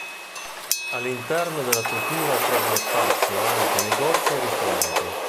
All'interno della struttura trovano spazio anche negozi e ristoranti.